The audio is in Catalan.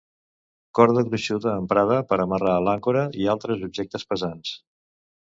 Corda gruixuda emprada per a amarrar l'àncora i altres objectes pesants.